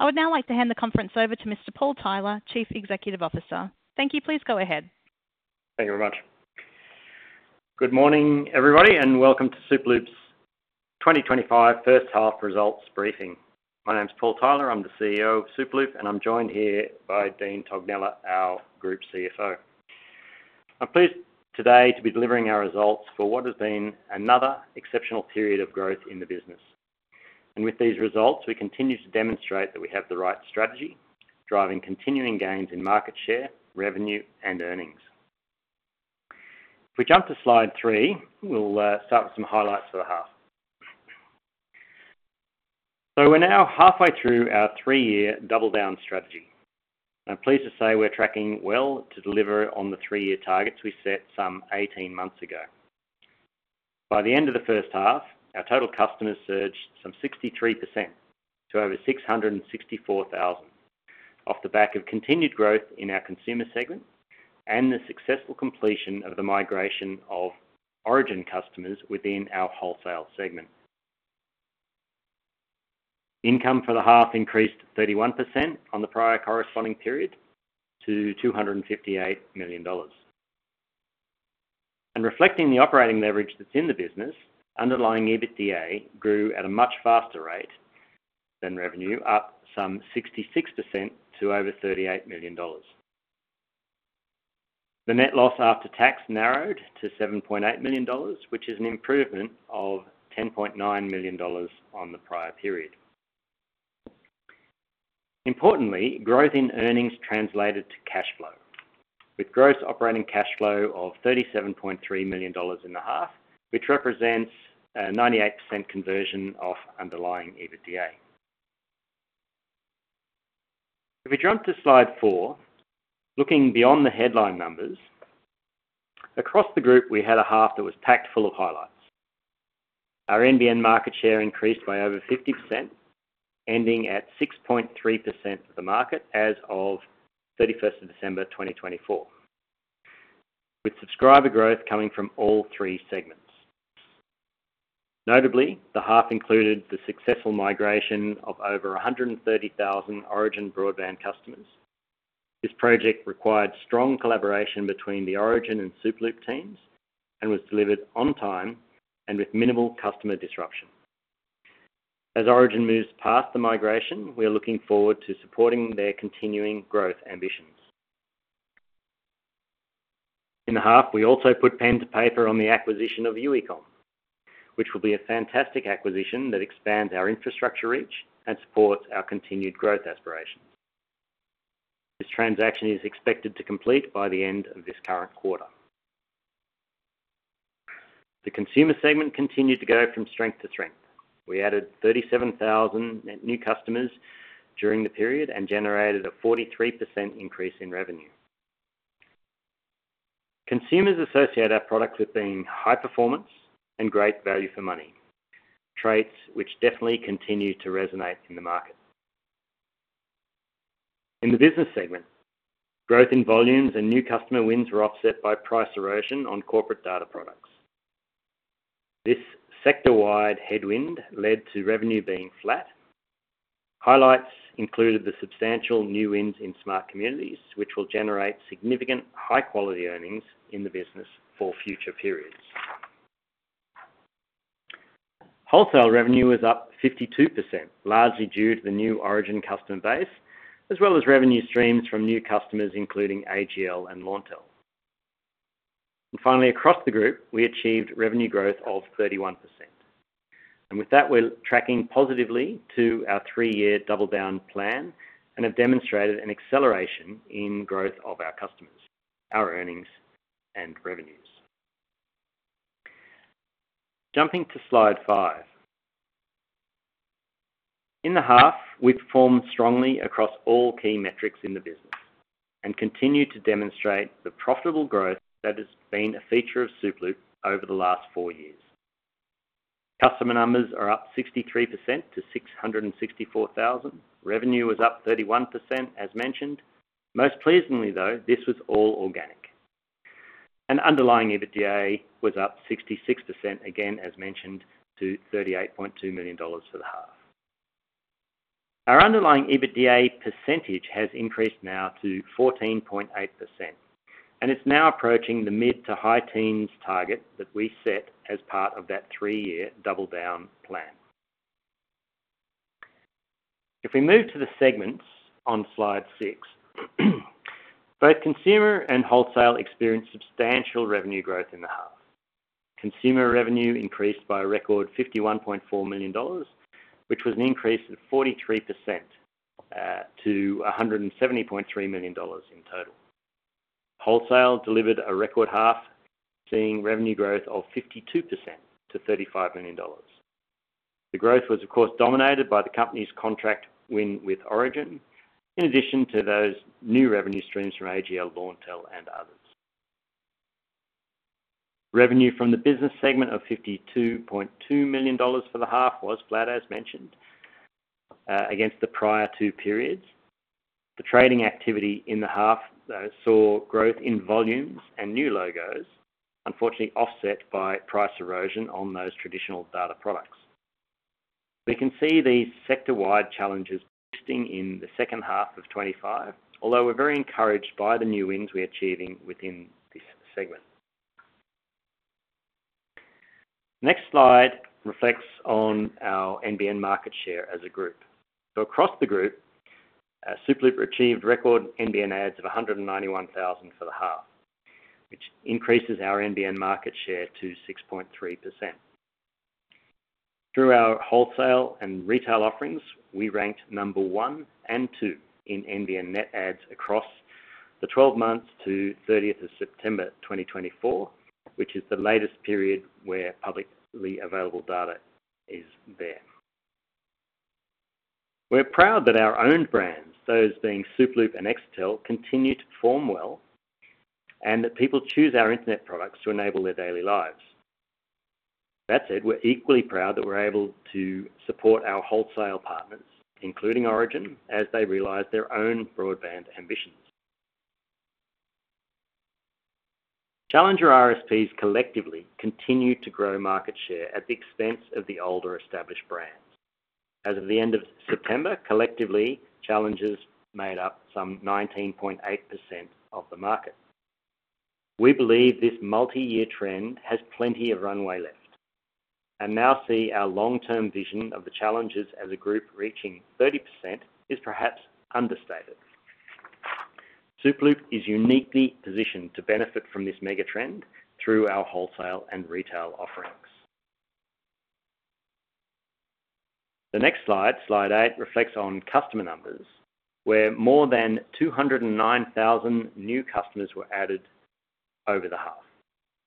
I would now like to hand the conference over to Mr. Paul Tyler, Chief Executive Officer. Thank you. Please go ahead. Thank you very much. Good morning, everybody, and welcome to Superloop's 2025 first half results briefing. My name's Paul Tyler. I'm the CEO of Superloop, and I'm joined here by Dean Tognella, our Group CFO. I'm pleased today to be delivering our results for what has been another exceptional period of growth in the business. And with these results, we continue to demonstrate that we have the right strategy, driving continuing gains in market share, revenue, and earnings. If we jump to Slide 3, we'll start with some highlights for the half. So we're now halfway through our three-year Double Down strategy. I'm pleased to say we're tracking well to deliver on the three-year targets we set some 18 months ago. By the end of the first half, our total customers surged some 63% to over 664,000, off the back of continued growth in our Consumer segment and the successful completion of the migration of Origin customers within our Wholesale segment. Income for the half increased 31% on the prior corresponding period to 258 million dollars, and reflecting the operating leverage that's in the business, underlying EBITDA grew at a much faster rate than revenue, up some 66% to over 38 million dollars. The net loss after tax narrowed to 7.8 million dollars, which is an improvement of 10.9 million dollars on the prior period. Importantly, growth in earnings translated to cash flow, with gross operating cash flow of 37.3 million dollars in the half, which represents a 98% conversion of underlying EBITDA. If we jump to Slide 4, looking beyond the headline numbers, across the group, we had a half that was packed full of highlights. Our NBN market share increased by over 50%, ending at 6.3% of the market as of December 31st, 2024, with subscriber growth coming from all three segments. Notably, the half included the successful migration of over 130,000 Origin broadband customers. This project required strong collaboration between the Origin and Superloop teams and was delivered on time and with minimal customer disruption. As Origin moves past the migration, we are looking forward to supporting their continuing growth ambitions. In the half, we also put pen to paper on the acquisition of Uecomm, which will be a fantastic acquisition that expands our infrastructure reach and supports our continued growth aspirations. This transaction is expected to complete by the end of this current quarter. The Consumer segment continued to go from strength to strength. We added 37,000 new customers during the period and generated a 43% increase in revenue. Consumers associate our product with being high performance and great value for money, traits which definitely continue to resonate in the market. In the business segment, growth in volumes and new customer wins were offset by price erosion on corporate data products. This sector-wide headwind led to revenue being flat. Highlights included the substantial new wins in Smart Communities, which will generate significant high-quality earnings in the business for future periods. Wholesale revenue was up 52%, largely due to the new Origin customer base, as well as revenue streams from new customers, including AGL and Launtel. And finally, across the group, we achieved revenue growth of 31%. With that, we're tracking positively to our three-year Double Down plan and have demonstrated an acceleration in growth of our customers, our earnings, and revenues. Jumping to Slide 5. In the half, we performed strongly across all key metrics in the business and continue to demonstrate the profitable growth that has been a feature of Superloop over the last four years. Customer numbers are up 63% to 664,000. Revenue was up 31%, as mentioned. Most pleasingly, though, this was all organic. Underlying EBITDA was up 66%, again, as mentioned, to 38.2 million dollars for the half. Our underlying EBITDA percentage has increased now to 14.8%, and it's now approaching the mid to high teens target that we set as part of that three-year Double Down plan. If we move to the segments on Slide 6, both Consumer and Wholesale experienced substantial revenue growth in the half. Consumer revenue increased by a record 51.4 million dollars, which was an increase of 43% to 170.3 million dollars in total. Wholesale delivered a record half, seeing revenue growth of 52% to 35 million dollars. The growth was, of course, dominated by the company's contract win with Origin, in addition to those new revenue streams from AGL, Launtel, and others. Revenue from the business segment of 52.2 million dollars for the half was flat, as mentioned, against the prior two periods. The trading activity in the half saw growth in volumes and new logos, unfortunately, offset by price erosion on those traditional data products. We can see these sector-wide challenges boosting in the second half of 2025, although we're very encouraged by the new wins we're achieving within this segment. Next slide reflects on our NBN market share as a group. So across the group, Superloop achieved record NBN adds of 191,000 for the half, which increases our NBN market share to 6.3%. Through our Wholesale and retail offerings, we ranked number one and two in NBN net adds across the 12 months to September 30th, 2024, which is the latest period where publicly available data is there. We're proud that our own brands, those being Superloop and Exetel, continue to perform well and that people choose our internet products to enable their daily lives. That said, we're equally proud that we're able to support our Wholesale partners, including Origin, as they realize their own broadband ambitions. Challenger RSPs collectively continue to grow market share at the expense of the older established brands. As of the end of September, collectively, Challengers made up some 19.8% of the market. We believe this multi-year trend has plenty of runway left. And now see our long-term vision of the Challengers as a group reaching 30% is perhaps understated. Superloop is uniquely positioned to benefit from this megatrend through our Wholesale and retail offerings. The next slide, Slide 8, reflects on customer numbers, where more than 209,000 new customers were added over the half.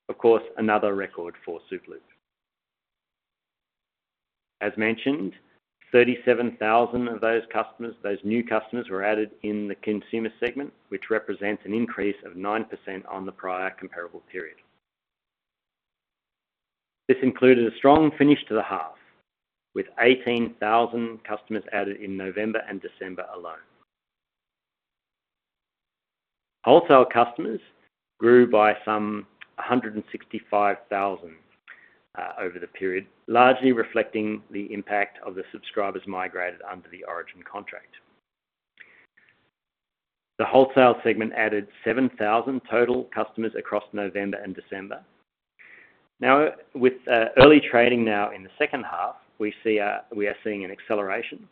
Of course, another record for Superloop. As mentioned, 37,000 of those customers, those new customers, were added in the Consumer segment, which represents an increase of 9% on the prior comparable period. This included a strong finish to the half, with 18,000 customers added in November and December alone. Wholesale customers grew by some 165,000 over the period, largely reflecting the impact of the subscribers migrated under the Origin contract. The Wholesale segment added 7,000 total customers across November and December. Now, with early trading now in the second half, we are seeing an acceleration,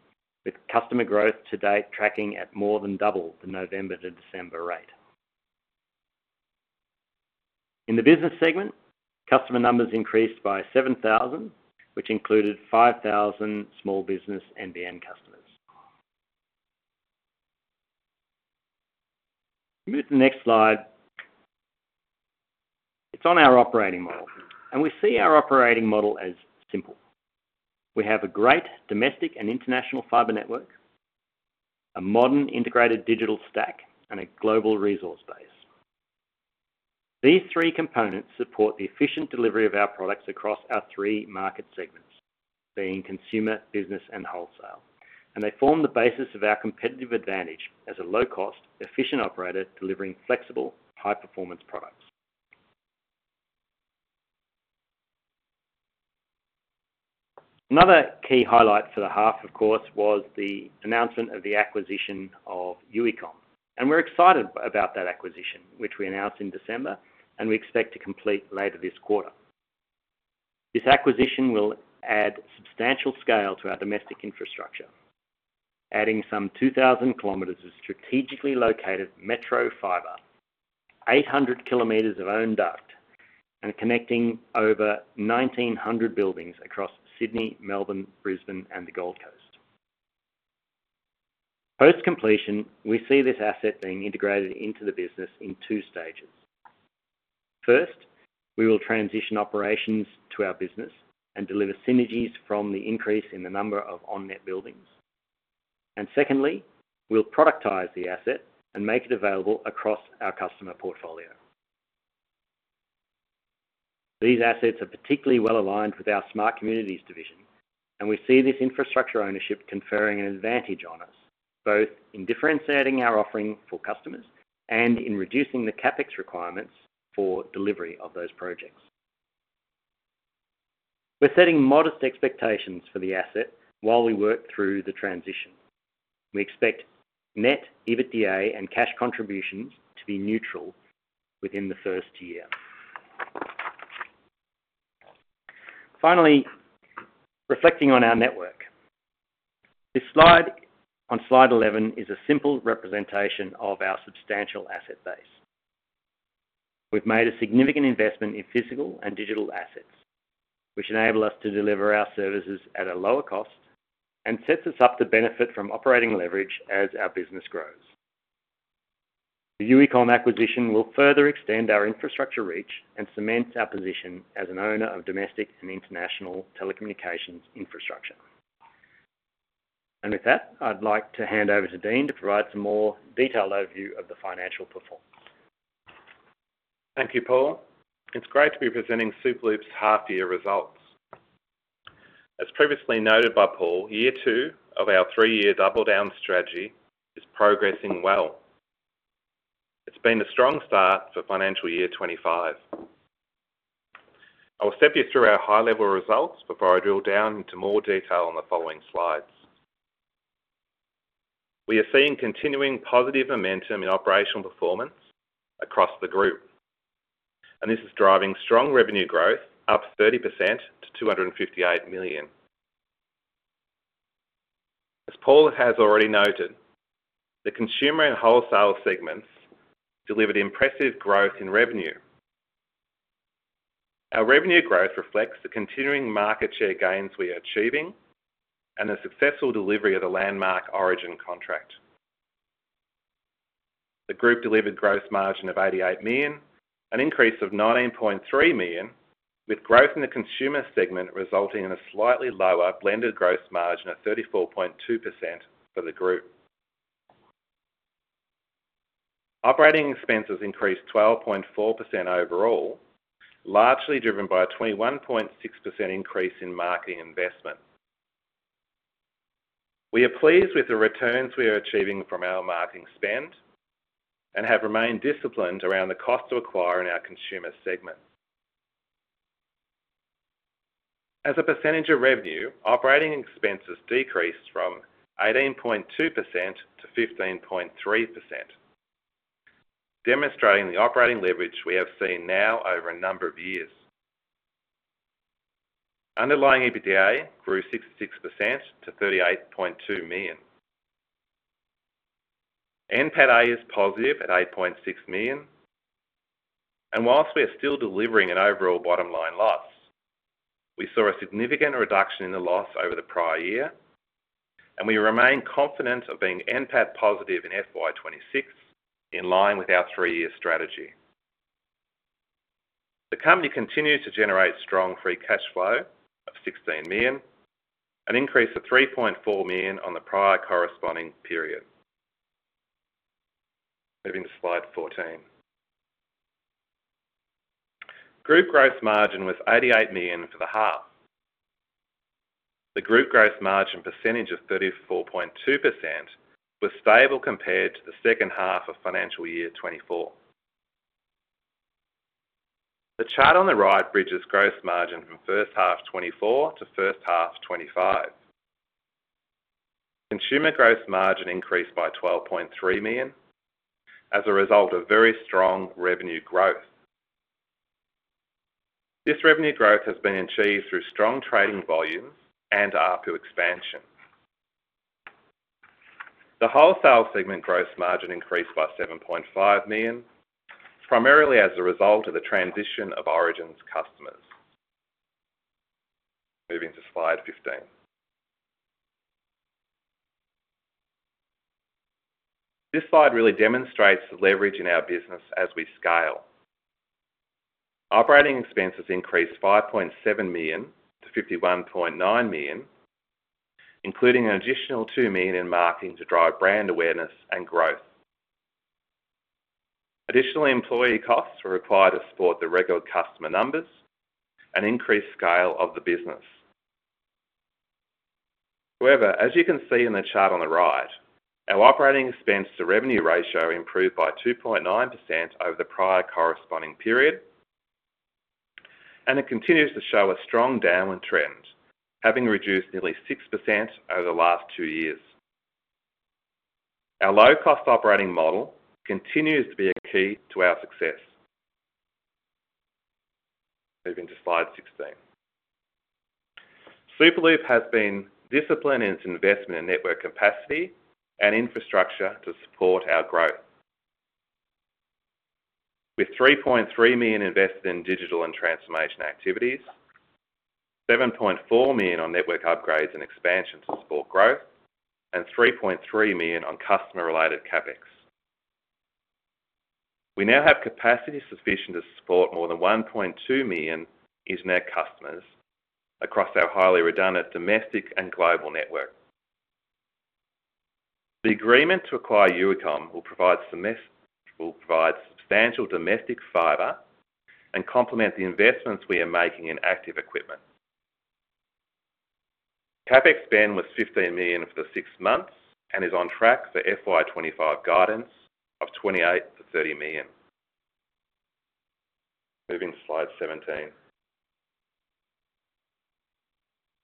with customer growth to date tracking at more than double the November to December rate. In the business segment, customer numbers increased by 7,000, which included 5,000 small business NBN customers. Move to the next slide. It's on our operating model. And we see our operating model as simple. We have a great domestic and international fibre network, a modern integrated digital stack, and a global resource base. These three components support the efficient delivery of our products across our three market segments, being Consumer, Business, and Wholesale. And they form the basis of our competitive advantage as a low-cost, efficient operator delivering flexible, high-performance products. Another key highlight for the half, of course, was the announcement of the acquisition of Uecomm. We're excited about that acquisition, which we announced in December and we expect to complete later this quarter. This acquisition will add substantial scale to our domestic infrastructure, adding some 2,000 km of strategically located metro fibre, 800 km of owned duct, and connecting over 1,900 buildings across Sydney, Melbourne, Brisbane, and the Gold Coast. Post-completion, we see this asset being integrated into the business in two stages. First, we will transition operations to our business and deliver synergies from the increase in the number of on-net buildings. And secondly, we'll productize the asset and make it available across our customer portfolio. These assets are particularly well aligned with our Smart Communities division, and we see this infrastructure ownership conferring an advantage on us, both in differentiating our offering for customers and in reducing the CapEx requirements for delivery of those projects. We're setting modest expectations for the asset while we work through the transition. We expect net EBITDA and cash contributions to be neutral within the first year. Finally, reflecting on our network, this slide on Slide 11 is a simple representation of our substantial asset base. We've made a significant investment in physical and digital assets, which enable us to deliver our services at a lower cost and sets us up to benefit from operating leverage as our business grows. The Uecomm acquisition will further extend our infrastructure reach and cement our position as an owner of domestic and international telecommunications infrastructure. And with that, I'd like to hand over to Dean to provide some more detailed overview of the financial performance. Thank you, Paul. It's great to be presenting Superloop's half-year results. As previously noted by Paul, year two of our three-year Double Down strategy is progressing well. It's been a strong start for financial year 2025. I will step you through our high-level results before I drill down into more detail on the following slides. We are seeing continuing positive momentum in operational performance across the group, and this is driving strong revenue growth, up 30% to 258 million. As Paul has already noted, the Consumer and Wholesale segments delivered impressive growth in revenue. Our revenue growth reflects the continuing market share gains we are achieving and the successful delivery of the landmark Origin contract. The group delivered gross margin of 88 million, an increase of 19.3 million, with growth in the Consumer segment resulting in a slightly lower blended gross margin of 34.2% for the group. Operating expenses increased 12.4% overall, largely driven by a 21.6% increase in marketing investment. We are pleased with the returns we are achieving from our marketing spend and have remained disciplined around the cost to acquire in our Consumer segment. As a percentage of revenue, operating expenses decreased from 18.2%-15.3%, demonstrating the operating leverage we have seen now over a number of years. Underlying EBITDA grew 66% to 38.2 million. NPAT-A is positive at 8.6 million, and while we are still delivering an overall bottom line loss, we saw a significant reduction in the loss over the prior year, and we remain confident of being NPAT positive in FY 2026, in line with our three-year strategy. The company continues to generate strong free cash flow of 16 million, an increase of 3.4 million on the prior corresponding period. Moving to Slide 14. Group gross margin was 88 million for the half. The group gross margin percentage of 34.2% was stable compared to the second half of financial year 2024. The chart on the right bridges gross margin from first half 2024 to first half 2025. Consumer gross margin increased by 12.3 million as a result of very strong revenue growth. This revenue growth has been achieved through strong trading volumes and ARPU expansion. The Wholesale segment gross margin increased by 7.5 million, primarily as a result of the transition of Origin's customers. Moving to Slide 15. This slide really demonstrates the leverage in our business as we scale. Operating expenses increased 5.7 million to 51.9 million, including an additional 2 million in marketing to drive brand awareness and growth. Additional employee costs were required to support the regular customer numbers and increase scale of the business. However, as you can see in the chart on the right, our operating expense-to-revenue ratio improved by 2.9% over the prior corresponding period, and it continues to show a strong downward trend, having reduced nearly 6% over the last two years. Our low-cost operating model continues to be a key to our success. Moving to Slide 16. Superloop has been disciplined in its investment in network capacity and infrastructure to support our growth, with 3.3 million invested in digital and transformation activities, 7.4 million on network upgrades and expansion to support growth, and 3.3 million on customer-related CapEx. We now have capacity sufficient to support more than 1.2 million internet customers across our highly redundant domestic and global network. The agreement to acquire Uecomm will provide substantial domestic fibre and complement the investments we are making in active equipment. CapEx spend was 15 million for the six months and is on track for FY 2025 guidance of 28-30 million. Moving to Slide 17.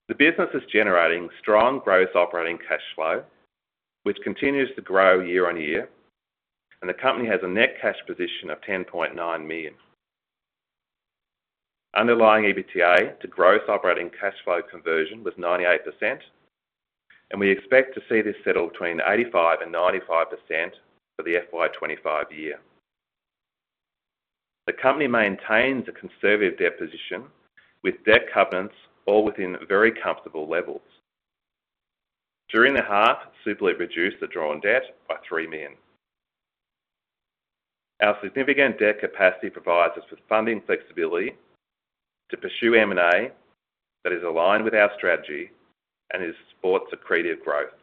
The business is generating strong gross operating cash flow, which continues to grow year on year, and the company has a net cash position of 10.9 million. Underlying EBITDA to gross operating cash flow conversion was 98%, and we expect to see this settle between 85% and 95% for the FY 2025 year. The company maintains a conservative debt position, with debt covenants all within very comfortable levels. During the half, Superloop reduced the drawn debt by 3 million. Our significant debt capacity provides us with funding flexibility to pursue M&A that is aligned with our strategy and supports accretive growth.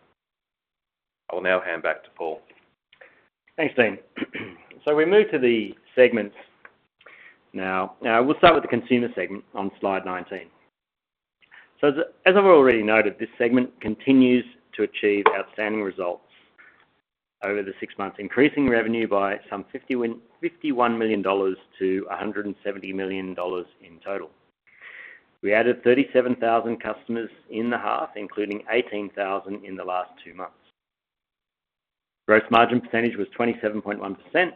I will now hand back to Paul. Thanks, Dean. So we move to the segments now. Now, we'll start with the Consumer segment on Slide 19. So, as I've already noted, this segment continues to achieve outstanding results over the six months, increasing revenue by some 51 million-170 million dollars in total. We added 37,000 customers in the half, including 18,000 in the last two months. Gross margin percentage was 27.1%,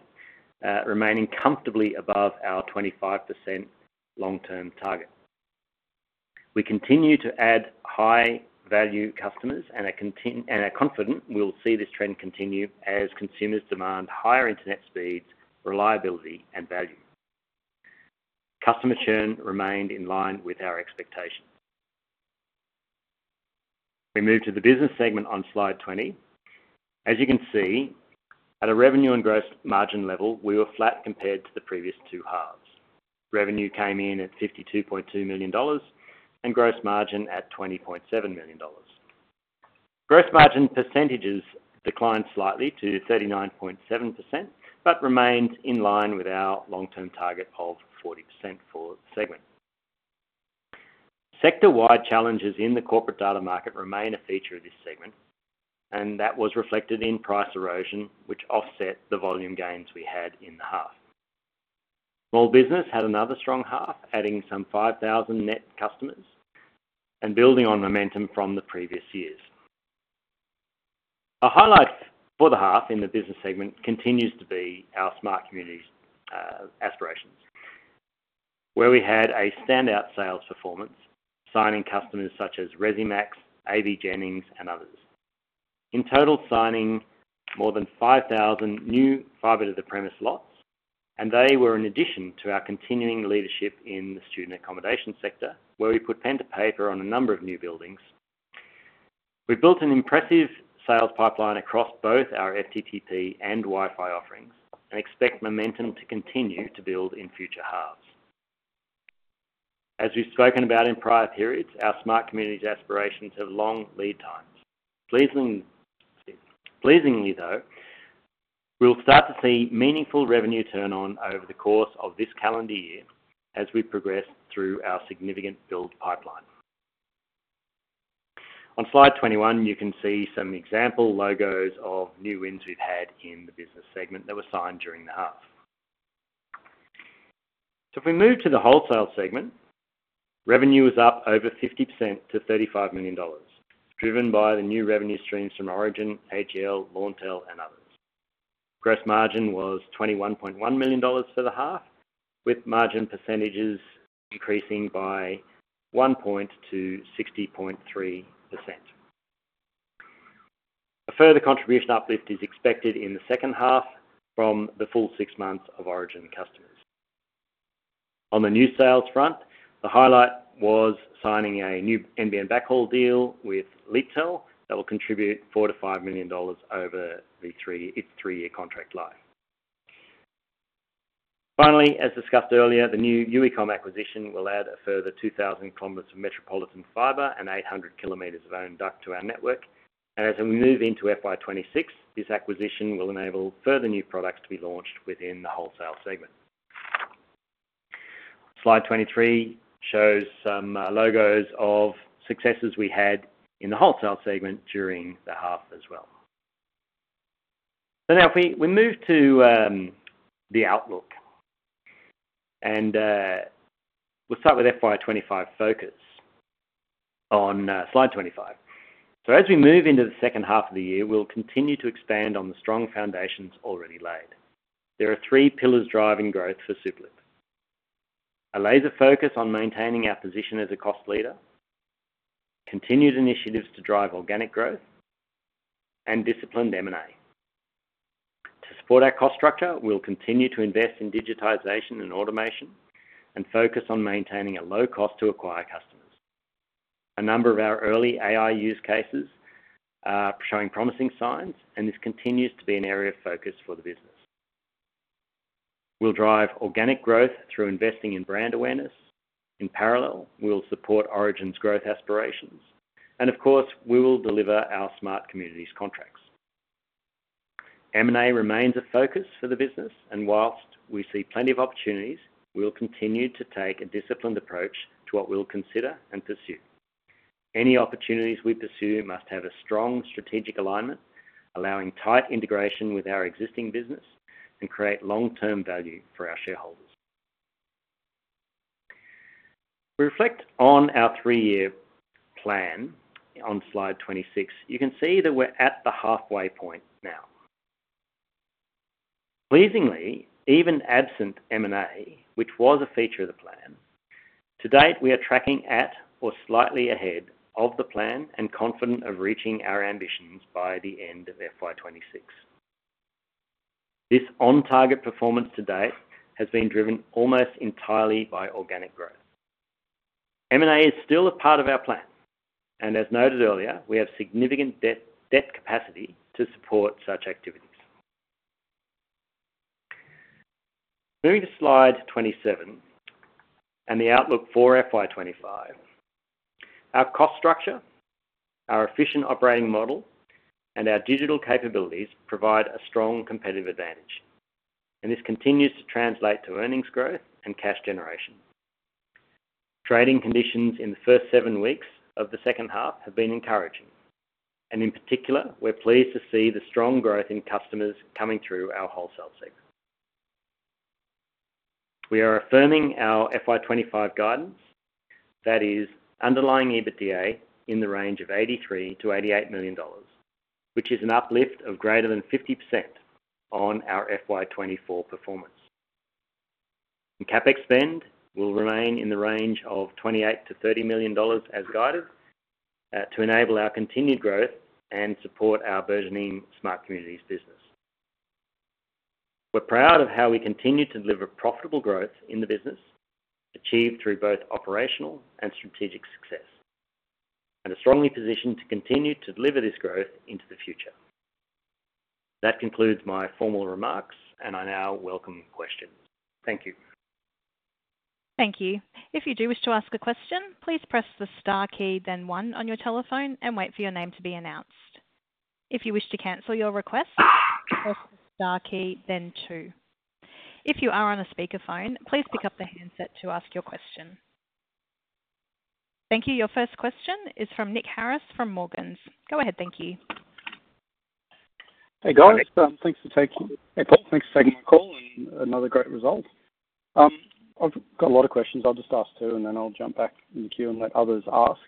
remaining comfortably above our 25% long-term target. We continue to add high-value customers, and I'm confident we'll see this trend continue as consumers demand higher internet speeds, reliability, and value. Customer churn remained in line with our expectations. We move to the business segment on Slide 20. As you can see, at a revenue and gross margin level, we were flat compared to the previous two halves. Revenue came in at 52.2 million dollars and gross margin at 20.7 million dollars. Gross margin percentages declined slightly to 39.7%, but remained in line with our long-term target of 40% for the segment. Sector-wide challenges in the corporate data market remain a feature of this segment, and that was reflected in price erosion, which offset the volume gains we had in the half. Small business had another strong half, adding some 5,000 net customers and building on momentum from the previous years. A highlight for the half in the business segment continues to be our smart community aspirations, where we had a standout sales performance, signing customers such as Resimax, AVJennings, and others. In total, signing more than 5,000 new fibre-to-the-premises lots, and they were in addition to our continuing leadership in the student accommodation sector, where we put pen to paper on a number of new buildings. We've built an impressive sales pipeline across both our FTTP and Wi-Fi offerings and expect momentum to continue to build in future halves. As we've spoken about in prior periods, our smart community aspirations have long lead times. Pleasingly, though, we'll start to see meaningful revenue turn-on over the course of this calendar year as we progress through our significant build pipeline. On Slide 21, you can see some example logos of new wins we've had in the business segment that were signed during the half. So if we move to the Wholesale segment, revenue was up over 50% to 35 million dollars, driven by the new revenue streams from Origin, AGL, Launtel, and others. Gross margin was 21.1 million dollars for the half, with margin percentages increasing by 1.2 to 60.3%. A further contribution uplift is expected in the second half from the full six months of Origin customers. On the new sales front, the highlight was signing a new NBN backhaul deal with Leaptel that will contribute 4 million-5 million dollars over its three-year contract life. Finally, as discussed earlier, the new Uecomm acquisition will add a further 2,000 km of metropolitan fibre and 800 km of owned duct to our network, and as we move into FY 2026, this acquisition will enable further new products to be launched within the Wholesale segment. Slide 23 shows some logos of successes we had in the Wholesale segment during the half as well, so now, if we move to the outlook, and we'll start with FY 2025, focus on Slide 25, so as we move into the second half of the year, we'll continue to expand on the strong foundations already laid. There are three pillars driving growth for Superloop: a laser focus on maintaining our position as a cost leader, continued initiatives to drive organic growth, and disciplined M&A. To support our cost structure, we'll continue to invest in digitization and automation and focus on maintaining a low cost to acquire customers. A number of our early AI use cases are showing promising signs, and this continues to be an area of focus for the business. We'll drive organic growth through investing in brand awareness. In parallel, we'll support Origin's growth aspirations. And of course, we will deliver our Smart Communities' contracts. M&A remains a focus for the business, and while we see plenty of opportunities, we'll continue to take a disciplined approach to what we'll consider and pursue. Any opportunities we pursue must have a strong strategic alignment, allowing tight integration with our existing business and create long-term value for our shareholders. We reflect on our three-year plan on Slide 26. You can see that we're at the halfway point now. Pleasingly, even absent M&A, which was a feature of the plan, to date, we are tracking at or slightly ahead of the plan and confident of reaching our ambitions by the end of FY 2026. This on-target performance to date has been driven almost entirely by organic growth. M&A is still a part of our plan, and as noted earlier, we have significant debt capacity to support such activities. Moving to Slide 27 and the outlook for FY 2025, our cost structure, our efficient operating model, and our digital capabilities provide a strong competitive advantage, and this continues to translate to earnings growth and cash generation. Trading conditions in the first seven weeks of the second half have been encouraging, and in particular, we're pleased to see the strong growth in customers coming through our Wholesale segment. We are affirming our FY 2025 guidance, that is, underlying EBITDA in the range of 83 million-88 million dollars, which is an uplift of greater than 50% on our FY 2024 performance. CapEx spend will remain in the range of 28 million-30 million dollars as guided to enable our continued growth and support our burgeoning Smart Communities business. We're proud of how we continue to deliver profitable growth in the business achieved through both operational and strategic success, and are strongly positioned to continue to deliver this growth into the future. That concludes my formal remarks, and I now welcome questions. Thank you. Thank you. If you do wish to ask a question, please press the star key, then one on your telephone, and wait for your name to be announced. If you wish to cancel your request, press the star key, then two. If you are on a speakerphone, please pick up the handset to ask your question. Thank you. Your first question is from Nick Harris from Morgans. Go ahead. Thank you. Hey, guys. Thanks for taking my call and another great result. I've got a lot of questions. I'll just ask two, and then I'll jump back in the queue and let others ask.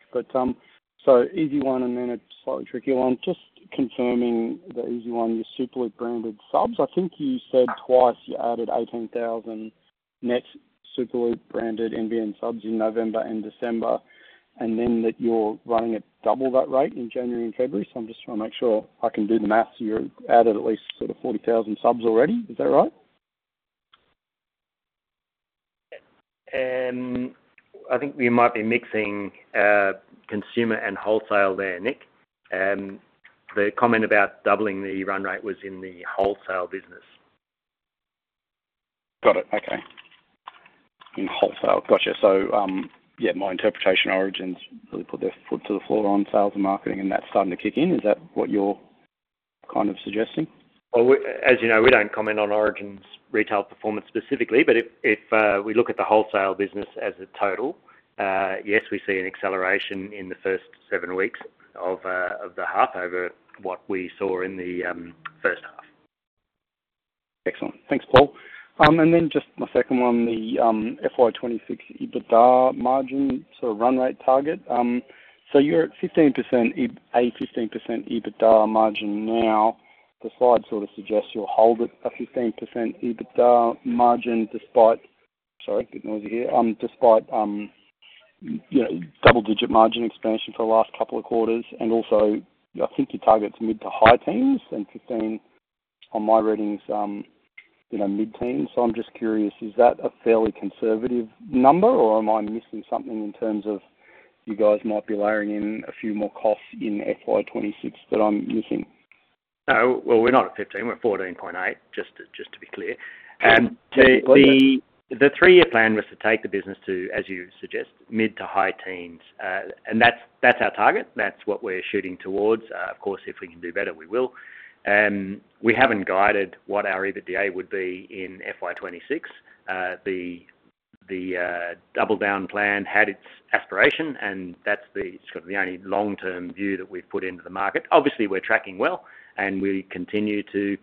So easy one and then a slightly tricky one. Just confirming the easy one, your Superloop branded subs. I think you said twice you added 18,000 net Superloop branded NBN subs in November and December, and then that you're running at double that rate in January and February. So I'm just trying to make sure I can do the math. So you added at least sort of 40,000 subs already. Is that right? I think we might be mixing Consumer and Wholesale there, Nick. The comment about doubling the run rate was in the Wholesale business. Got it. Okay. In Wholesale. Gotcha. So yeah, my interpretation of Origin's really put their foot to the floor on sales and marketing, and that's starting to kick in. Is that what you're kind of suggesting? As you know, we don't comment on Origin's retail performance specifically, but if we look at the Wholesale business as a total, yes, we see an acceleration in the first seven weeks of the half over what we saw in the first half. Excellent. Thanks, Paul. And then just my second one, the FY 2026 EBITDA margin sort of run rate target. You're at a 15% EBITDA margin now. The slide sort of suggests you'll hold at a 15% EBITDA margin despite, sorry, a bit noisy here, despite double-digit margin expansion for the last couple of quarters. I think your target's mid to high teens, and 15, on my readings, mid teens. I'm just curious, is that a fairly conservative number, or am I missing something in terms of you guys might be layering in a few more costs in FY 2026 that I'm missing? We're not at 15. We're at 14.8, just to be clear. The three-year plan was to take the business to, as you suggest, mid to high teens, and that's our target. That's what we're shooting towards. Of course, if we can do better, we will. We haven't guided what our EBITDA would be in FY 2026. The Double Down plan had its aspiration, and that's sort of the only long-term view that we've put into the market. Obviously, we're tracking well, and we continue to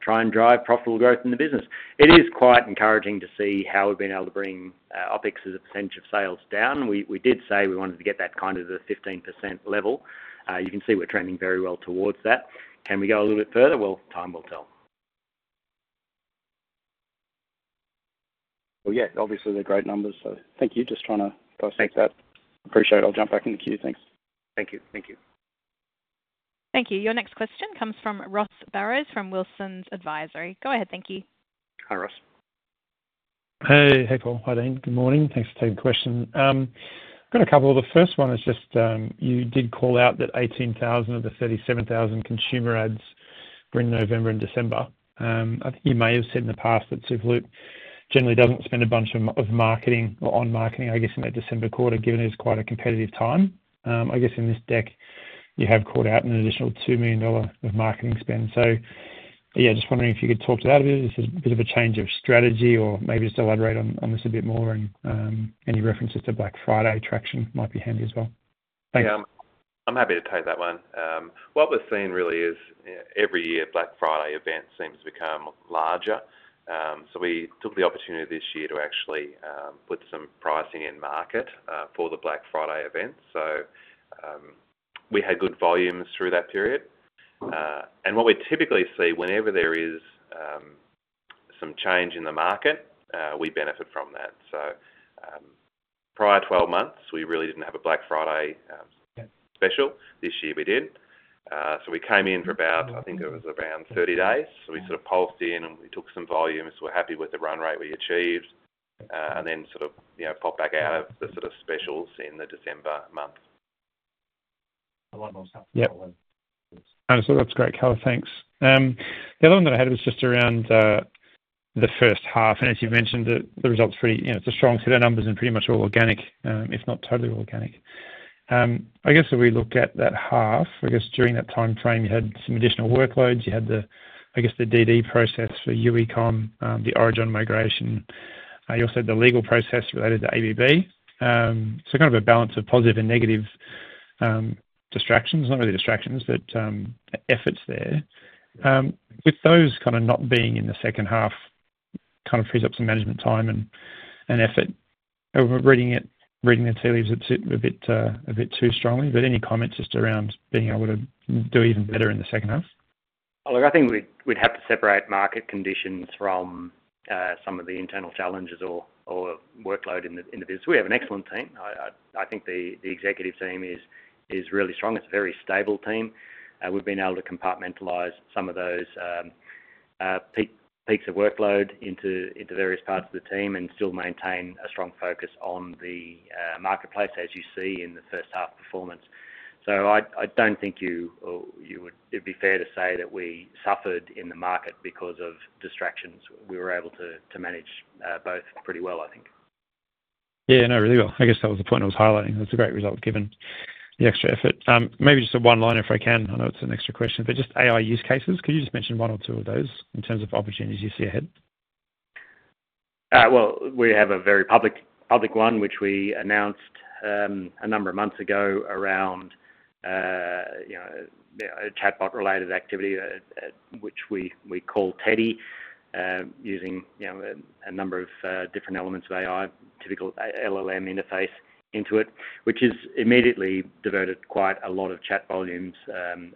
try and drive profitable growth in the business. It is quite encouraging to see how we've been able to bring OpEx as a percentage of sales down. We did say we wanted to get that kind of the 15% level. You can see we're trending very well towards that. Can we go a little bit further? Well, time will tell. Well, yeah, obviously, they're great numbers, so thank you. Just trying to dissect that. Appreciate it. I'll jump back in the queue. Thanks. Thank you. Thank you. Thank you. Your next question comes from Ross Barrows from Wilsons Advisory. Go ahead. Thank you. Hi, Ross. Hey. Hey, Paul. Hi there. Good morning. Thanks for taking the question. I've got a couple. The first one is just you did call out that 18,000 of the 37,000 Consumer ads were in November and December. I think you may have said in the past that Superloop generally doesn't spend a bunch of marketing or on marketing, I guess, in that December quarter, given it's quite a competitive time. I guess in this deck, you have called out an additional 2 million dollar of marketing spend. So yeah, just wondering if you could talk to that a bit. Is this a bit of a change of strategy, or maybe just elaborate on this a bit more? And any references to Black Friday traction might be handy as well. Thanks. I'm happy to take that one. What we're seeing really is every year, Black Friday events seem to become larger. We took the opportunity this year to actually put some pricing in market for the Black Friday events. We had good volumes through that period. What we typically see, whenever there is some change in the market, we benefit from that. Prior 12 months, we really didn't have a Black Friday special. This year, we did. We came in for about, I think it was around 30 days. We sort of pulsed in, and we took some volumes. We're happy with the run rate we achieved, and then sort of popped back out of the sort of specials in the December month. A lot more successful than. That's great color. Thanks. The other one that I had was just around the first half. As you've mentioned, the result's pretty, it's a strong set of numbers and pretty much all organic, if not totally organic. I guess if we look at that half, I guess during that timeframe, you had some additional workloads. You had, I guess, the DD process for Uecomm, the Origin migration. You also had the legal process related to ABB. So kind of a balance of positive and negative distractions. Not really distractions, but efforts there. With those kind of not being in the second half, kind of frees up some management time and effort. I'm reading the tea leaves a bit too strongly, but any comments just around being able to do even better in the second half? Look, I think we'd have to separate market conditions from some of the internal challenges or workload in the business. We have an excellent team. I think the executive team is really strong. It's a very stable team. We've been able to compartmentalize some of those peaks of workload into various parts of the team and still maintain a strong focus on the marketplace, as you see in the first half performance. So I don't think it would be fair to say that we suffered in the market because of distractions. We were able to manage both pretty well, I think. Yeah, no, really well. I guess that was the point I was highlighting. That's a great result given the extra effort. Maybe just a one-liner if I can. I know it's an extra question, but just AI use cases. Could you just mention one or two of those in terms of opportunities you see ahead? We have a very public one, which we announced a number of months ago around a chatbot-related activity, which we call Teddy, using a number of different elements of AI, typical LLM interface into it, which has immediately diverted quite a lot of chat volumes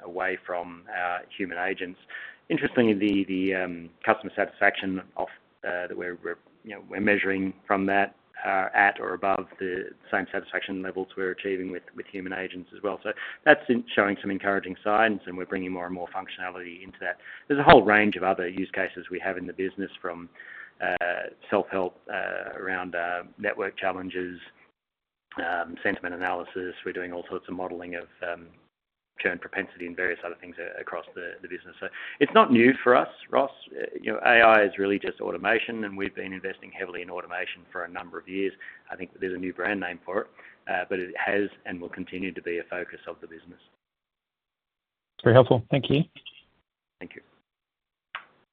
away from our human agents. Interestingly, the customer satisfaction that we're measuring from that are at or above the same satisfaction levels we're achieving with human agents as well. That's showing some encouraging signs, and we're bringing more and more functionality into that. There's a whole range of other use cases we have in the business, from self-help around network challenges, sentiment analysis. We're doing all sorts of modeling of churn propensity and various other things across the business. It's not new for us, Ross. AI is really just automation, and we've been investing heavily in automation for a number of years. I think there's a new brand name for it, but it has and will continue to be a focus of the business. Very helpful. Thank you. Thank you.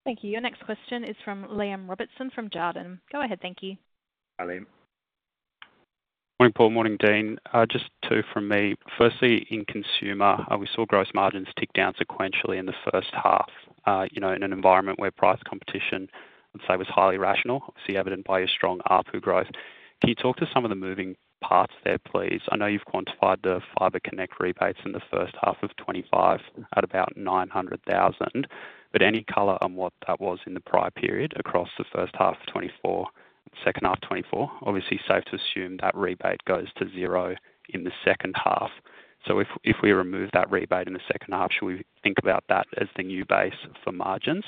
Thank you. Your next question is from Liam Robertson from Jarden. Go ahead. Thank you. Hi, Liam. Morning, Paul. Morning, Dean. Just two from me. Firstly, in Consumer, we saw gross margins tick down sequentially in the first half in an environment where price competition, I'd say, was highly rational, obviously evident by your strong APU growth. Can you talk to some of the moving parts there, please? I know you've quantified the Fibre Connect rebates in the first half of 2025 at about 900,000, but any color on what that was in the prior period across the first half of 2024, second half of 2024? Obviously, safe to assume that rebate goes to zero in the second half. So if we remove that rebate in the second half, should we think about that as the new base for margins?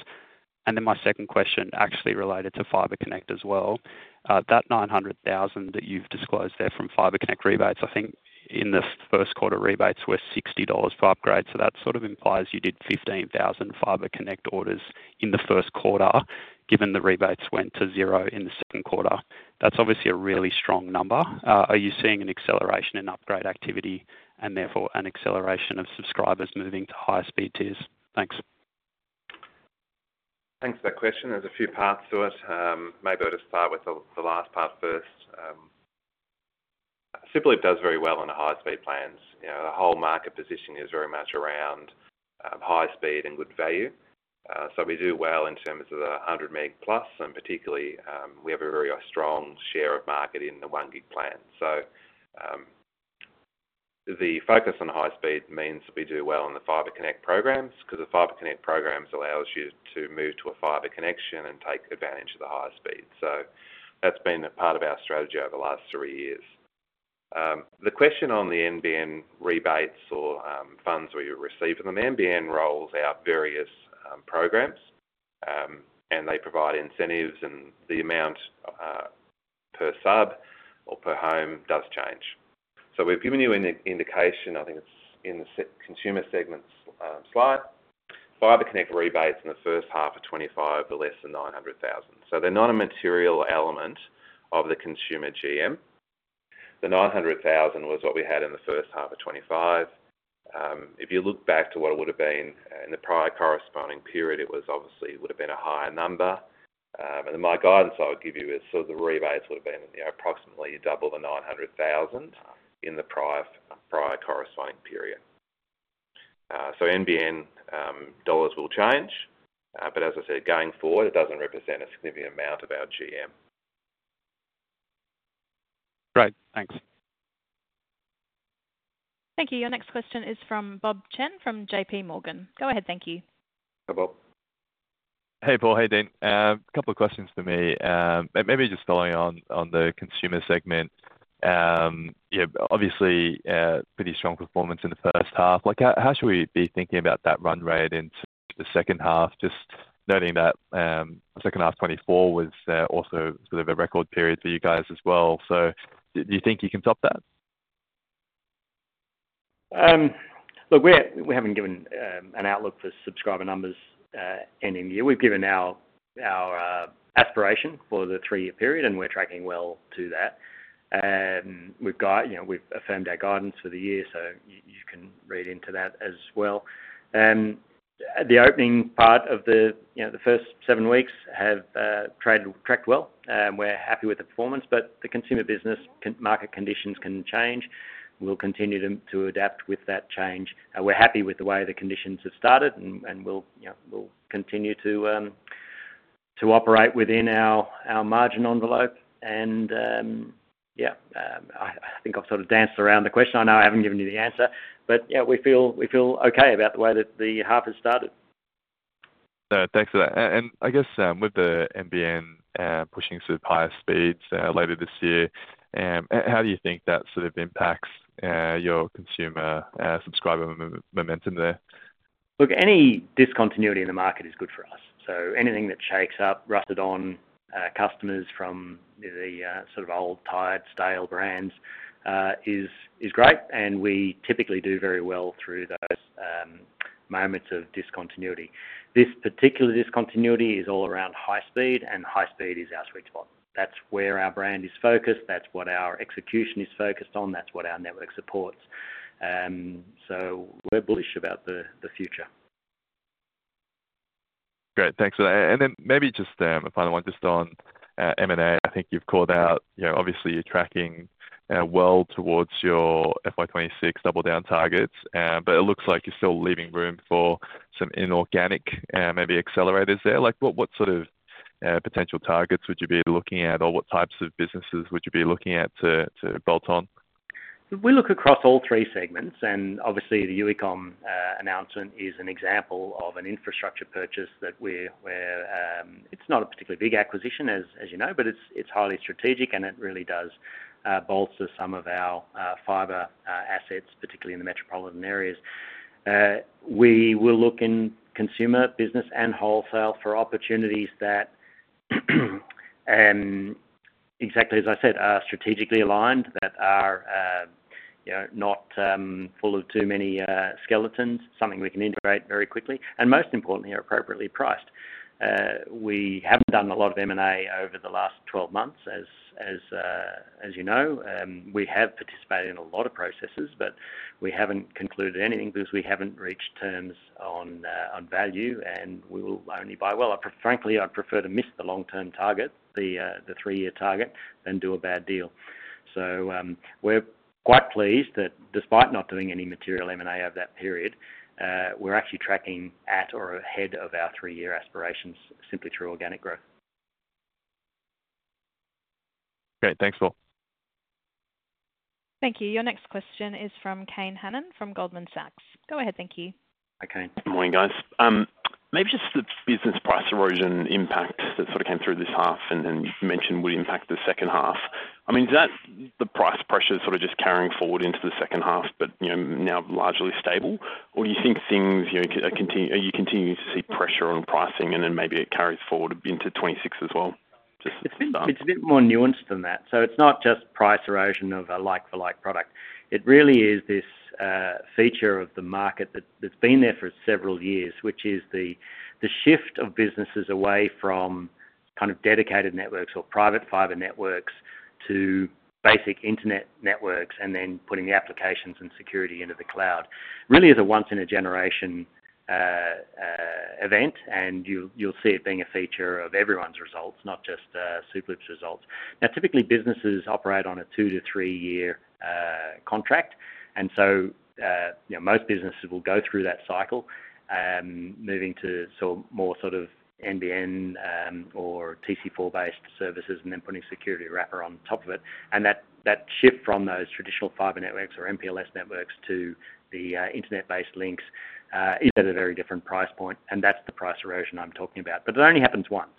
And then my second question actually related to Fibre Connect as well. That 900,000 that you've disclosed there from Fibre Connect rebates, I think in the first quarter rebates were 60 dollars for upgrades. So that sort of implies you did 15,000 Fibre Connect orders in the first quarter, given the rebates went to zero in the second quarter. That's obviously a really strong number. Are you seeing an acceleration in upgrade activity and therefore an acceleration of subscribers moving to high-speed tiers? Thanks. Thanks for that question. There's a few parts to it. Maybe I'll just start with the last part first. Superloop does very well on the high-speed plans. The whole market position is very much around high speed and good value. So we do well in terms of the 100 Mbps+, and particularly, we have a very strong share of market in the 1 Gbps plan. So the focus on high speed means that we do well on the Fibre Connect programs because the Fibre Connect programs allow us to move to a fibre connection and take advantage of the high speed. So that's been a part of our strategy over the last three years. The question on the NBN rebates or funds we receive from them, NBN rolls out various programs, and they provide incentives, and the amount per sub or per home does change. So we've given you an indication, I think it's in the Consumer segments slide. Fibre Connect rebates in the first half of 2025 are less than 900,000. So they're not a material element of the Consumer GM. The 900,000 was what we had in the first half of 2025. If you look back to what it would have been in the prior corresponding period, it obviously would have been a higher number. And my guidance I would give you is sort of the rebates would have been approximately double the 900,000 in the prior corresponding period. So NBN dollars will change, but as I said, going forward, it doesn't represent a significant amount of our GM. Great. Thanks. Thank you. Your next question is from Bob Chen from JPMorgan. Go ahead. Thank you. Hi, Bob. Hey, Paul. Hey, Dean. A couple of questions for me. Maybe just following on the Consumer segment. Obviously, pretty strong performance in the first half. How should we be thinking about that run rate into the second half? Just noting that second half 2024 was also sort of a record period for you guys as well. So do you think you can top that? Look, we haven't given an outlook for subscriber numbers ending the year. We've given our aspiration for the three-year period, and we're tracking well to that. We've affirmed our guidance for the year, so you can read into that as well. The opening part of the first seven weeks have tracked well. We're happy with the performance, but the Consumer business market conditions can change. We'll continue to adapt with that change. We're happy with the way the conditions have started, and we'll continue to operate within our margin envelope. And yeah, I think I've sort of danced around the question. I know I haven't given you the answer, but yeah, we feel okay about the way that the half has started. Thanks for that. And I guess with the NBN pushing sort of higher speeds later this year, how do you think that sort of impacts your Consumer subscriber momentum there? Look, any discontinuity in the market is good for us. So anything that shakes up rusted-on customers from the sort of old, tired, stale brands is great, and we typically do very well through those moments of discontinuity. This particular discontinuity is all around high speed, and high speed is our sweet spot. That's where our brand is focused. That's what our execution is focused on. That's what our network supports. So we're bullish about the future. Great. Thanks for that. And then maybe just a final one just on M&A. I think you've called out, obviously, you're tracking well towards your FY 2026 Double Down targets, but it looks like you're still leaving room for some inorganic, maybe accelerators there. What sort of potential targets would you be looking at, or what types of businesses would you be looking at to bolt on? We look across all three segments, and obviously, the Uecomm announcement is an example of an infrastructure purchase that we're. It's not a particularly big acquisition, as you know, but it's highly strategic, and it really does bolster some of our fibre assets, particularly in the metropolitan areas. We will look in Consumer, Business, and Wholesale for opportunities that, exactly as I said, are strategically aligned, that are not full of too many skeletons, something we can integrate very quickly, and most importantly, are appropriately priced. We haven't done a lot of M&A over the last 12 months, as you know. We have participated in a lot of processes, but we haven't concluded anything because we haven't reached terms on value, and we will only buy well. Frankly, I'd prefer to miss the long-term target, the three-year target, than do a bad deal. So we're quite pleased that despite not doing any material M&A over that period, we're actually tracking at or ahead of our three-year aspirations simply through organic growth. Great. Thanks, Paul. Thank you. Your next question is from Kane Hannan from Goldman Sachs. Go ahead. Thank you. Hi, Kane. Good morning, guys. Maybe just the business price erosion impact that sort of came through this half and then you mentioned would impact the second half. I mean, is that the price pressure sort of just carrying forward into the second half, but now largely stable, or do you think things are continuing? Are you continuing to see pressure on pricing, and then maybe it carries forward into 2026 as well? It's a bit more nuanced than that. It's not just price erosion of a like-for-like product. It really is this feature of the market that's been there for several years, which is the shift of businesses away from kind of dedicated networks or private fibre networks to basic internet networks and then putting the applications and security into the cloud. Really, it's a once-in-a-generation event, and you'll see it being a feature of everyone's results, not just Superloop's results. Now, typically, businesses operate on a two- to three-year contract, and so most businesses will go through that cycle, moving to more sort of NBN or TC4-based services and then putting security wrapper on top of it. And that shift from those traditional fibre networks or MPLS networks to the internet-based links is at a very different price point, and that's the price erosion I'm talking about. But it only happens once.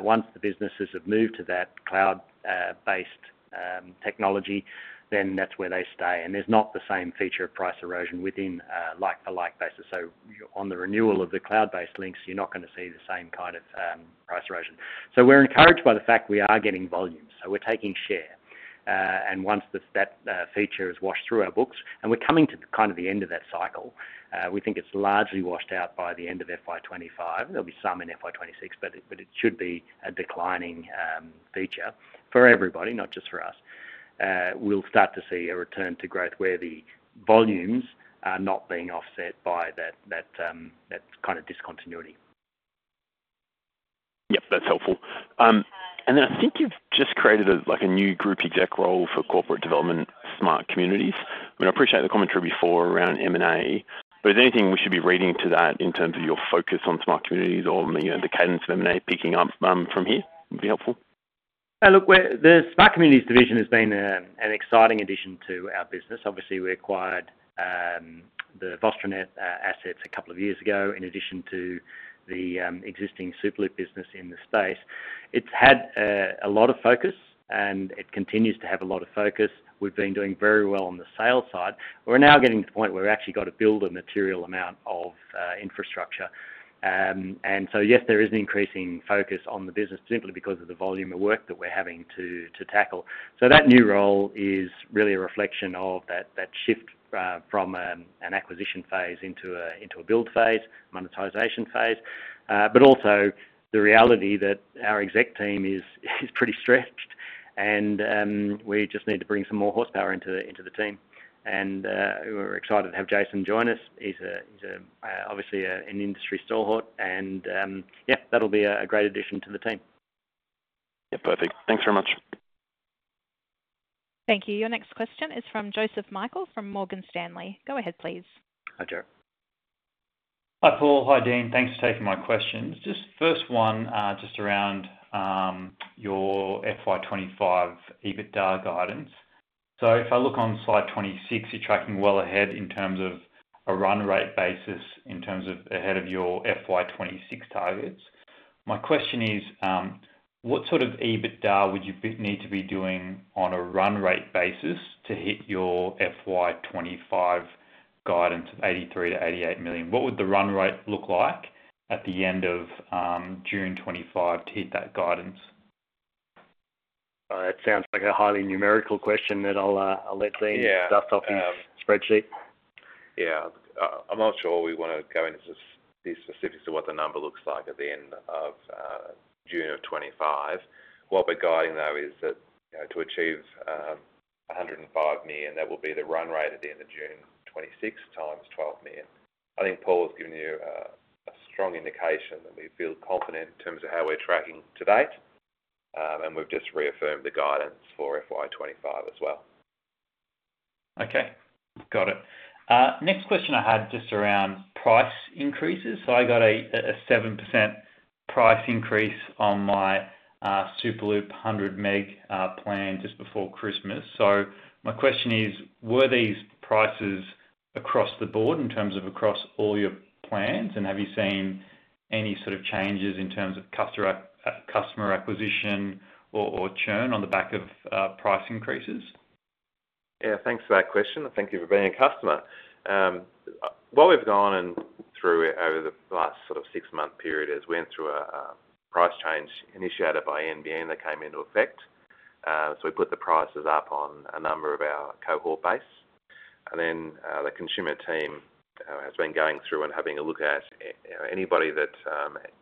Once the businesses have moved to that cloud-based technology, then that's where they stay, and there's not the same feature of price erosion within like-for-like basis. So on the renewal of the cloud-based links, you're not going to see the same kind of price erosion. So we're encouraged by the fact we are getting volume. So we're taking share. And once that feature has washed through our books, and we're coming to kind of the end of that cycle, we think it's largely washed out by the end of FY 2025. There'll be some in FY 2026, but it should be a declining feature for everybody, not just for us. We'll start to see a return to growth where the volumes are not being offset by that kind of discontinuity. Yep, that's helpful. And then I think you've just created a new group exec role for corporate development, Smart Communities. I mean, I appreciate the commentary before around M&A, but is there anything we should be reading to that in terms of your focus on Smart Communities or the cadence of M&A picking up from here? Would it be helpful? Look, the Smart Communities division has been an exciting addition to our business. Obviously, we acquired the Vostronet assets a couple of years ago in addition to the existing Superloop business in the space. It's had a lot of focus, and it continues to have a lot of focus. We've been doing very well on the sales side. We're now getting to the point where we've actually got to build a material amount of infrastructure. And so, yes, there is an increasing focus on the business simply because of the volume of work that we're having to tackle. So that new role is really a reflection of that shift from an acquisition phase into a build phase, monetization phase, but also the reality that our exec team is pretty stretched, and we just need to bring some more horsepower into the team. And we're excited to have Jason join us. He's obviously an industry stalwart, and yeah, that'll be a great addition to the team. Yep, perfect. Thanks very much. Thank you. Your next question is from Joseph Michael from Morgan Stanley. Go ahead, please. Hi, Joe. Hi, Paul. Hi, Dean. Thanks for taking my questions. Just first one, just around your FY 2025 EBITDA guidance. So if I look on Slide 26, you're tracking well ahead in terms of a run rate basis, in terms of ahead of your FY 2026 targets. My question is, what sort of EBITDA would you need to be doing on a run rate basis to hit your FY 2025 guidance of 83-88 million? What would the run rate look like at the end of June 2025 to hit that guidance? It sounds like a highly numerical question that I'll let Dean dust off his spreadsheet. Yeah. I'm not sure we want to go into these specifics of what the number looks like at the end of June 2025. What we're guiding, though, is that to achieve 105 million, that will be the run rate at the end of June 2026 times 12 million. I think Paul has given you a strong indication that we feel confident in terms of how we're tracking to date, and we've just reaffirmed the guidance for FY 2025 as well. Okay. Got it. Next question I had just around price increases. So I got a 7% price increase on my Superloop 100 Mbps plan just before Christmas. So my question is, were these prices across the board in terms of across all your plans, and have you seen any sort of changes in terms of customer acquisition or churn on the back of price increases? Yeah. Thanks for that question, and thank you for being a customer. What we've gone through over the last sort of six-month period is we went through a price change initiated by NBN that came into effect. So we put the prices up on a number of our cohort base, and then the Consumer team has been going through and having a look at anybody that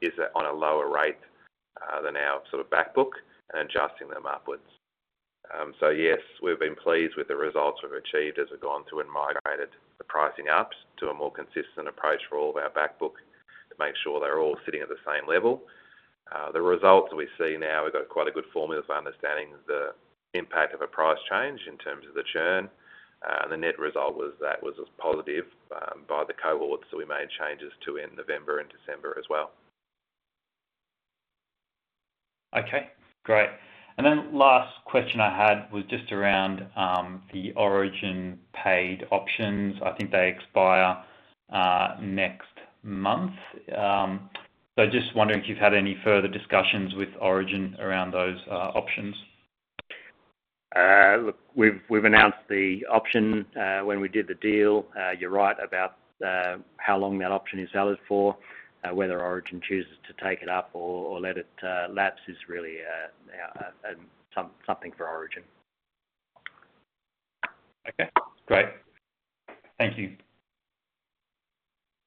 is on a lower rate than our sort of backbook and adjusting them upwards. So yes, we've been pleased with the results we've achieved as we've gone through and migrated the pricing up to a more consistent approach for all of our backbook to make sure they're all sitting at the same level. The results we see now, we've got quite a good formula for understanding the impact of a price change in terms of the churn. The net result was that was positive by the cohorts, so we made changes to in November and December as well. Okay. Great. And then last question I had was just around the Origin paid options. I think they expire next month. So just wondering if you've had any further discussions with Origin around those options. Look, we've announced the option when we did the deal. You're right about how long that option is valid for. Whether Origin chooses to take it up or let it lapse is really something for Origin. Okay. Great. Thank you.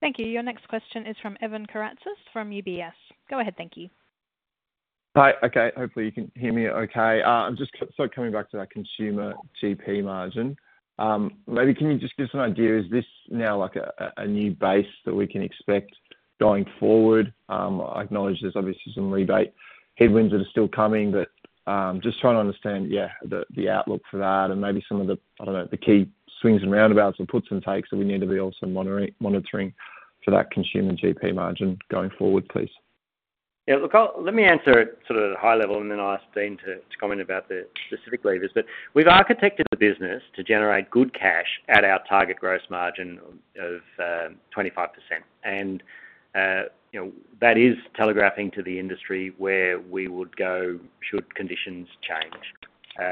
Thank you. Your next question is from Evan Karatzas from UBS. Go ahead. Thank you. Hi. Okay. Hopefully, you can hear me okay. I'm just sort of coming back to that Consumer TP margin. Maybe can you just give some idea? Is this now a new base that we can expect going forward? I acknowledge there's obviously some rebate headwinds that are still coming, but just trying to understand, yeah, the outlook for that and maybe some of the, I don't know, the key swings and roundabouts or puts and takes that we need to be also monitoring for that Consumer GP margin going forward, please. Yeah. Look, let me answer it sort of at a high level, and then ask Dean to comment about the specific levers. But we've architected the business to generate good cash at our target gross margin of 25%, and that is telegraphing to the industry where we would go should conditions change.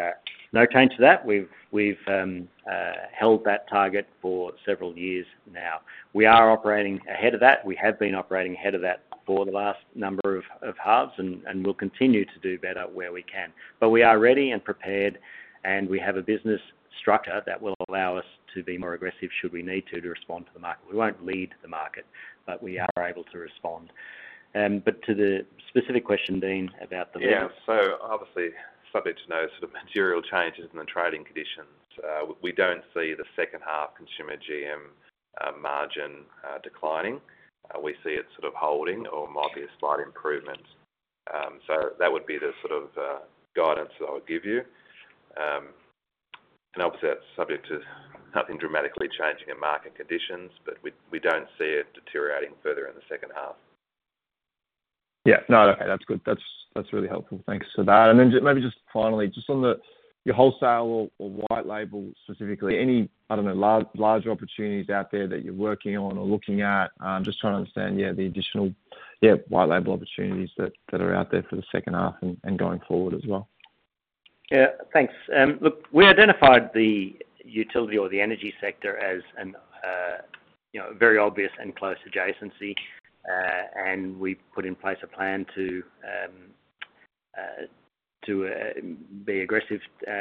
No change to that. We've held that target for several years now. We are operating ahead of that. We have been operating ahead of that for the last number of halves, and we'll continue to do better where we can. But we are ready and prepared, and we have a business structure that will allow us to be more aggressive should we need to, to respond to the market. We won't lead the market, but we are able to respond. But to the specific question, Dean, about the levers? Yeah. So obviously, subject to no sort of material changes in the trading conditions, we don't see the second-half Consumer GM margin declining. We see it sort of holding or might be a slight improvement. So that would be the sort of guidance that I would give you. And obviously, that's subject to nothing dramatically changing in market conditions, but we don't see it deteriorating further in the second half. Yeah. No, okay. That's good. That's really helpful. Thanks for that. And then maybe just finally, just on your Wholesale or white label specifically, any, I don't know, larger opportunities out there that you're working on or looking at? Just trying to understand, yeah, the additional, yeah, white label opportunities that are out there for the second half and going forward as well. Yeah. Thanks. Look, we identified the utility or the energy sector as a very obvious and close adjacency, and we put in place a plan to be aggressive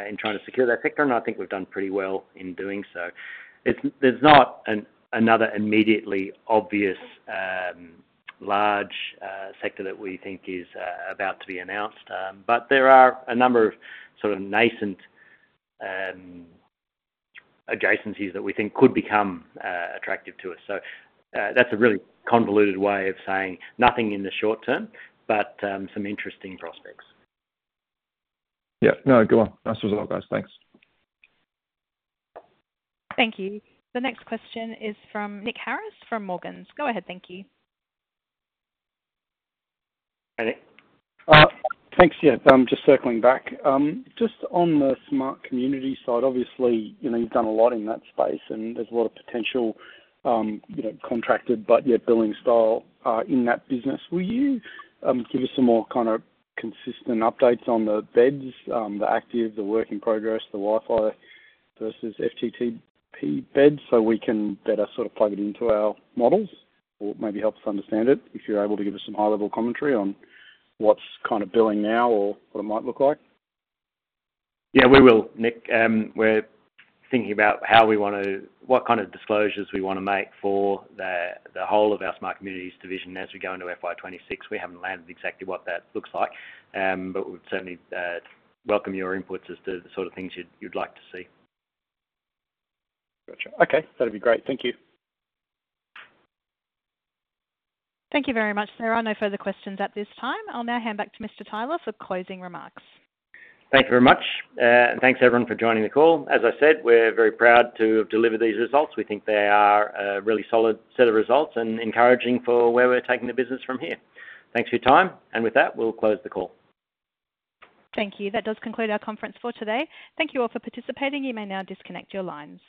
in trying to secure that sector, and I think we've done pretty well in doing so. There's not another immediately obvious large sector that we think is about to be announced, but there are a number of sort of nascent adjacencies that we think could become attractive to us. So that's a really convoluted way of saying nothing in the short term, but some interesting prospects. Yeah. No, good one. That's all, guys. Thanks. Thank you. The next question is from Nick Harris from Morgans. Go ahead. Thank you. Hey, Nick. Thanks. Yeah. I'm just circling back. Just on the Smart Communities side, obviously, you've done a lot in that space, and there's a lot of potential contracted, but yet billing still in that business. Will you give us some more kind of consistent updates on the beds, the active, the work in progress, the Wi-Fi versus FTTP beds, so we can better sort of plug it into our models or maybe help us understand it? If you're able to give us some high-level commentary on what's kind of billing now or what it might look like. Yeah, we will, Nick. We're thinking about how we want to what kind of disclosures we want to make for the whole of our Smart Communities division as we go into FY 2026. We haven't landed exactly what that looks like, but we'd certainly welcome your inputs as to the sort of things you'd like to see. Gotcha. Okay. That'll be great. Thank you. Thank you very much, sir. I have no further questions at this time. I'll now hand back to Mr. Tyler for closing remarks. Thank you very much. And thanks, everyone, for joining the call. As I said, we're very proud to have delivered these results. We think they are a really solid set of results and encouraging for where we're taking the business from here. Thanks for your time. And with that, we'll close the call. Thank you. That does conclude our conference for today. Thank you all for participating. You may now disconnect your lines.